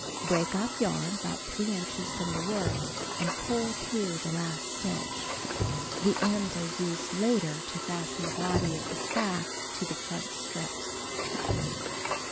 Break off yarn about 3 inches from the work and pull through the last stitch. The ends are used later to fasten the body of the sacque to the front strips.